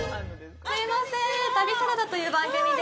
すみません、旅サラダという番組で。